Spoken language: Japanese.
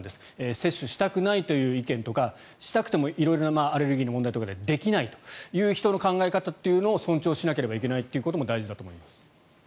接種したくないという意見とかしたくても色々なアレルギーの問題とかでできないという人の考え方を尊重することも大事だと思います。